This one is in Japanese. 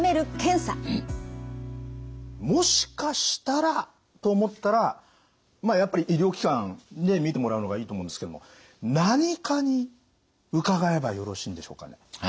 もしかしたらと思ったらやっぱり医療機関で診てもらうのがいいと思うんですけども何科に伺えばよろしいんでしょうかね？